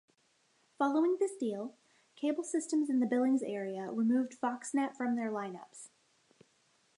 Following this deal, cable systems in the Billings area removed Foxnet from their lineups.